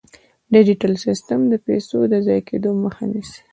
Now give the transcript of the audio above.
ډیجیټل سیستم د پيسو د ضایع کیدو مخه نیسي.